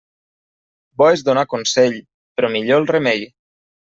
Bo és donar consell, però millor el remei.